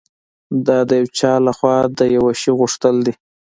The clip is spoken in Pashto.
دا د یو چا لهخوا د یوه شي غوښتل دي